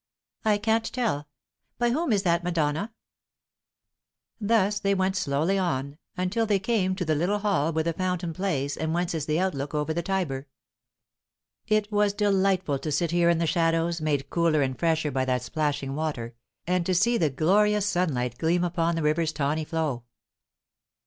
"I can't tell. By whom is that Madonna?" Thus they went slowly on, until they came to the little hall where the fountain plays, and whence is the outlook over the Tiber. It was delightful to sit here in the shadows, made cooler and fresher by that plashing water, and to see the glorious sunlight gleam upon the river's tawny flow.